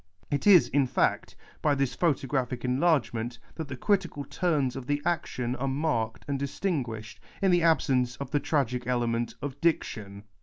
It is, in fact, by this photographic enlargement that the critical turns of the action arc marked and distin guished, in the absence of the tragic element of diction.